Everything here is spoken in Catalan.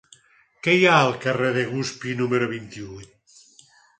Què hi ha al carrer de Guspí número vint-i-vuit?